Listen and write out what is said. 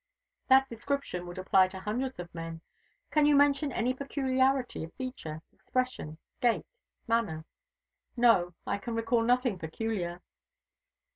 "That description would apply to hundreds of men. Can you mention any peculiarity of feature, expression, gait, manner?" "No, I can recall nothing peculiar."